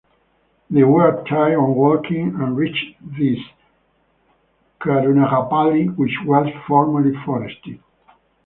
They were tired of walking and reached this Karunagappally which was formerly forested.